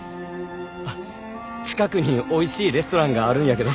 あっ近くにおいしいレストランがあるんやけど。